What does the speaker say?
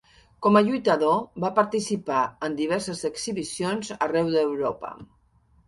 Com a lluitador va participar en diverses exhibicions arreu d'Europa.